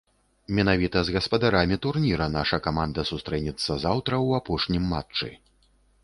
Менавіта з гаспадарамі турніра наша каманда сустрэнецца заўтра ў апошнім матчы.